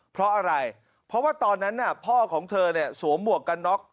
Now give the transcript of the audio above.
เพราะอะไรเพราะว่าตอนนั้นพ่อของเธอเนี่ยสวมหมวกกันน็อก